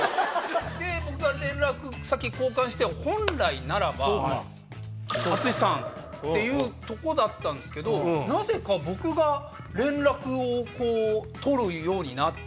で僕が連絡先交換して本来ならば。っていうとこだったんですけどなぜか僕が連絡を取るようになって。